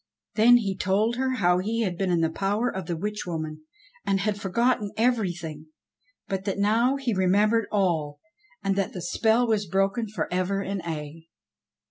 Then he told her how he had been in the power of the witch woman and had forgotten everything, but that now he remembered all and that the spell was broken for ever and aye.